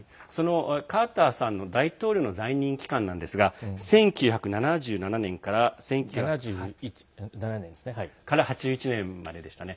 カーター氏の大統領在任期間なんですが１９７７年から１９８１年まででしたね。